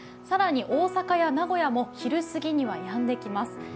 更に大阪や名古屋も昼すぎにはやんできます。